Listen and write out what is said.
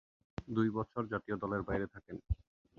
দুই বছর জাতীয় দলের বাইরে থাকেন।